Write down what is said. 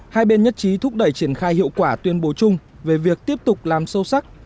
hai bên nhất trí thúc đẩy triển khai hiệu quả tuyên bố chung về việc tiếp tục làm sâu sắc